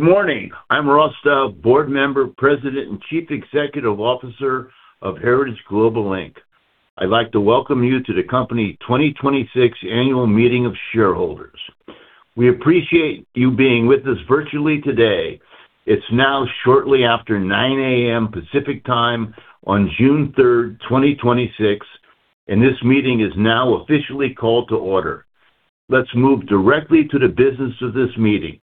Morning. I'm Ross Dove, board member, President, and Chief Executive Officer of Heritage Global Inc. I'd like to welcome you to the company 2026 annual meeting of shareholders. We appreciate you being with us virtually today. It's now shortly after 9:00 A.M. Pacific Time on June 3, 2026. This meeting is now officially called to order. Let's move directly to the business of this meeting.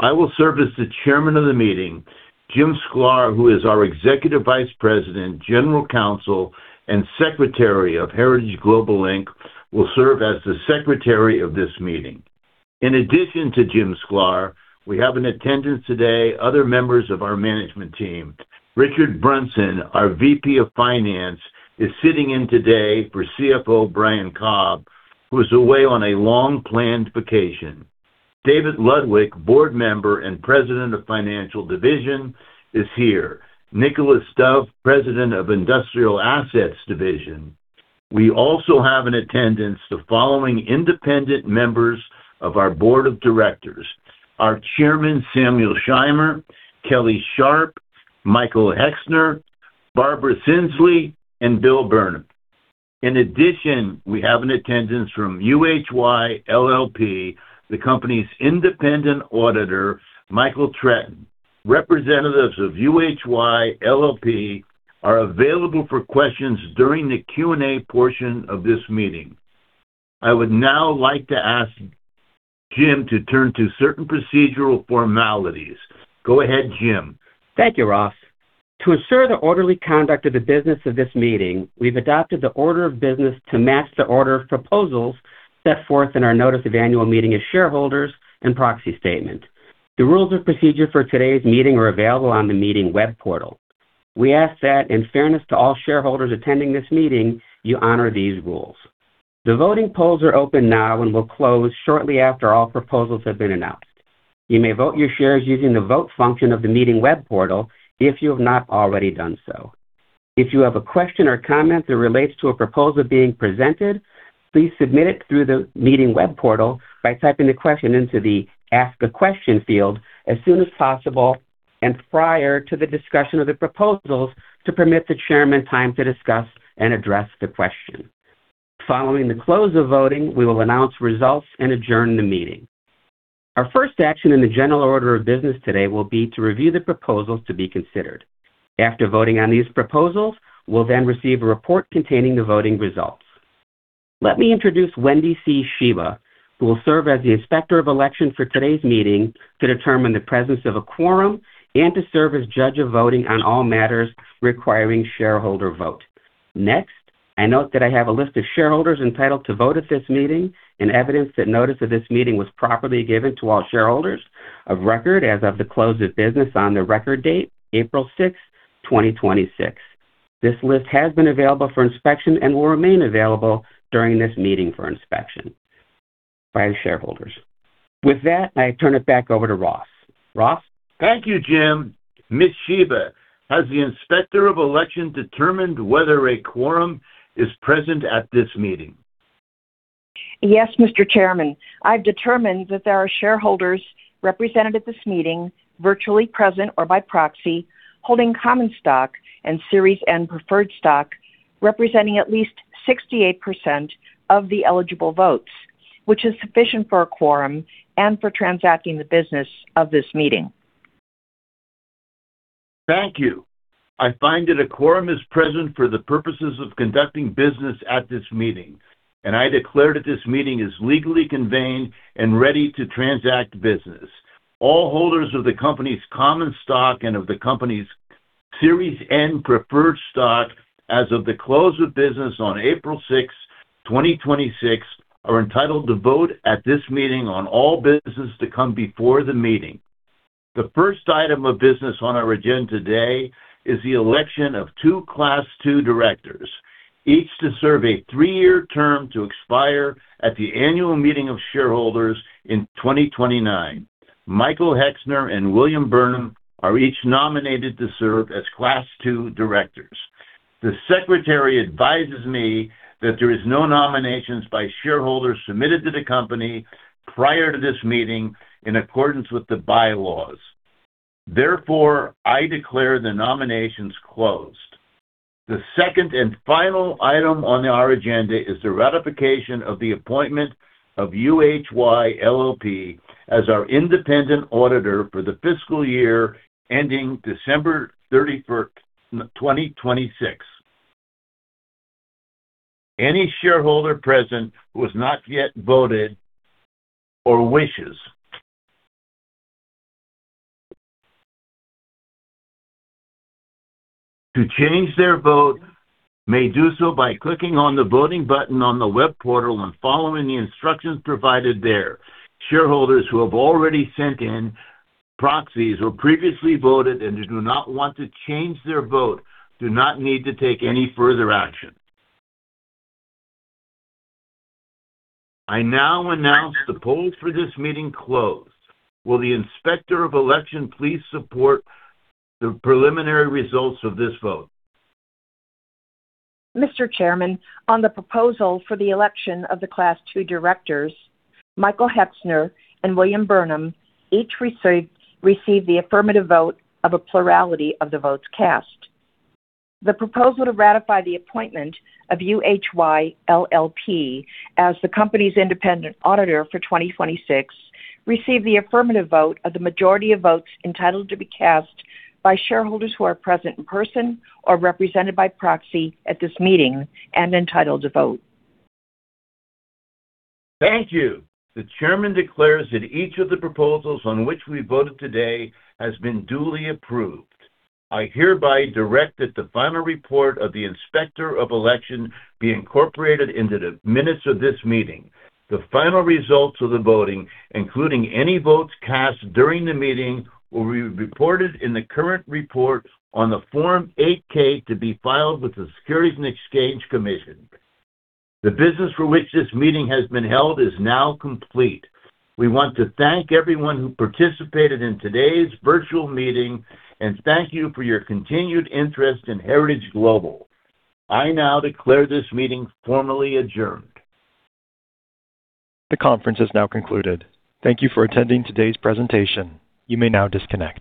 I will serve as the Chairman of the meeting. Jim Sklar, who is our Executive Vice President, General Counsel, and Secretary of Heritage Global Inc, will serve as the Secretary of this meeting. In addition to Jim Sklar, we have in attendance today other members of our management team. Richard Brunson, our VP of finance, is sitting in today for CFO Brian Cobb, who is away on a long-planned vacation. David Ludwig, board member and President of Financial Division, is here. Nicholas Stouff, President of Industrial Assets Division. We also have in attendance the following independent members of our board of directors, our Chairman, Samuel Shimer, Kelly Sharpe, Michael Hexner, Barbara Sinsley, and Bill Burnham. In addition, we have in attendance from UHY LLP, the company's independent auditor, Michael Tretton. Representatives of UHY LLP are available for questions during the Q&A portion of this meeting. I would now like to ask Jim to turn to certain procedural formalities. Go ahead, Jim. Thank you, Ross. To ensure the orderly conduct of the business of this meeting, we've adopted the order of business to match the order of proposals set forth in our notice of annual meeting of shareholders and proxy statement. The rules of procedure for today's meeting are available on the meeting web portal. We ask that, in fairness to all shareholders attending this meeting, you honor these rules. The voting polls are open now and will close shortly after all proposals have been announced. You may vote your shares using the vote function of the meeting web portal if you have not already done so. If you have a question or comment that relates to a proposal being presented, please submit it through the meeting web portal by typing the question into the Ask a Question field as soon as possible and prior to the discussion of the proposals to permit the chairman time to discuss and address the question. Following the close of voting, we will announce results and adjourn the meeting. Our first action in the general order of business today will be to review the proposals to be considered. After voting on these proposals, we'll then receive a report containing the voting results. Let me introduce Wendy C. Shiba, who will serve as the Inspector of Election for today's meeting to determine the presence of a quorum and to serve as judge of voting on all matters requiring shareholder vote. Next, I note that I have a list of shareholders entitled to vote at this meeting and evidence that notice of this meeting was properly given to all shareholders of record as of the close of business on the record date, April 6th, 2026. This list has been available for inspection and will remain available during this meeting for inspection by the shareholders. With that, I turn it back over to Ross. Ross? Thank you, Jim. Ms. Shiba, has the Inspector of Election determined whether a quorum is present at this meeting? Yes, Mr. Chairman. I've determined that there are shareholders represented at this meeting, virtually present or by proxy, holding common stock and Series N preferred stock representing at least 68% of the eligible votes, which is sufficient for a quorum and for transacting the business of this meeting. Thank you. I find that a quorum is present for the purposes of conducting business at this meeting, and I declare that this meeting is legally convened and ready to transact business. All holders of the company's common stock and of the company's Series N preferred stock as of the close of business on April 6th, 2026 are entitled to vote at this meeting on all business to come before the meeting. The first item of business on our agenda today is the election of 2 Class II directors, each to serve a three-year term to expire at the annual meeting of shareholders in 2029. Michael Hexner and William Burnham are each nominated to serve as Class II directors. The secretary advises me that there is no nominations by shareholders submitted to the company prior to this meeting in accordance with the bylaws. Therefore, I declare the nominations closed. The second and final item on our agenda is the ratification of the appointment of UHY LLP as our independent auditor for the fiscal year ending December 31st, 2026. Any shareholder present who has not yet voted or wishes to change their vote may do so by clicking on the voting button on the web portal and following the instructions provided there. Shareholders who have already sent in proxies or previously voted and do not want to change their vote do not need to take any further action. I now announce the polls for this meeting closed. Will the Inspector of Election please support the preliminary results of this vote? Mr. Chairman, on the proposal for the election of the Class II directors, Michael Hexner and William Burnham each received the affirmative vote of a plurality of the votes cast. The proposal to ratify the appointment of UHY LLP as the company's independent auditor for 2026 received the affirmative vote of the majority of votes entitled to be cast by shareholders who are present in person or represented by proxy at this meeting and entitled to vote. Thank you. The chairman declares that each of the proposals on which we voted today has been duly approved. I hereby direct that the final report of the Inspector of Election be incorporated into the minutes of this meeting. The final results of the voting, including any votes cast during the meeting, will be reported in the current report on the Form 8-K to be filed with the Securities and Exchange Commission. The business for which this meeting has been held is now complete. We want to thank everyone who participated in today's virtual meeting and thank you for your continued interest in Heritage Global. I now declare this meeting formally adjourned. The conference has now concluded. Thank you for attending today's presentation. You may now disconnect.